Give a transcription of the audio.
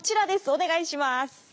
お願いします！